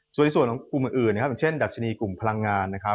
ส่วนที่ส่วนของกลุ่มอื่นเช่นดัชนีกลุ่มพลังงาน